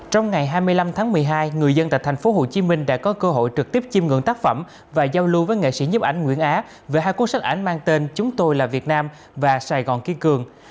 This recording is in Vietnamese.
trong ngày hai mươi năm tháng một mươi hai người dân tại thành phố hồ chí minh đã có cơ hội trực tiếp chìm ngưỡng tác phẩm và giao lưu với nghệ sĩ nhấp ảnh nguyễn á về hai cuốn sách ảnh mang tên chúng tôi là việt nam và sài gòn ký cường